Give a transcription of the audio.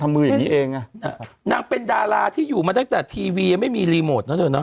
มืออย่างงี้เองอ่ะนางเป็นดาราที่อยู่มาตั้งแต่ทีวียังไม่มีรีโมทนะเธอเนอ